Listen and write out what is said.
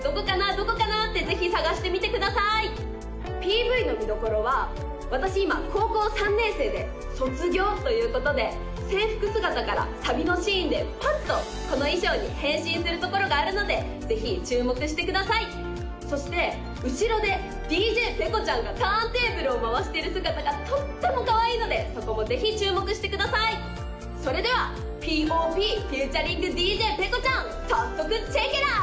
どこかな？ってぜひ探してみてくださいＰＶの見どころは私今高校３年生で卒業ということで制服姿からサビのシーンでパッとこの衣装に変身するところがあるのでぜひ注目してくださいそして後ろでＤＪペコちゃんがターンテーブルを回してる姿がとってもかわいいのでそこもぜひ注目してくださいそれでは「ぴーおーぴーｆｅａｔ．ＤＪペコちゃん」早速チェケラ！＃